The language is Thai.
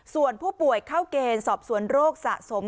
ส่วนผู้ป่วยเข้าเกณฑ์สอบสวนโรคสะสม